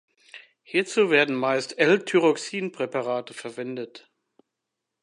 Hierzu werden meist L-Thyroxin-Präparate verwendet.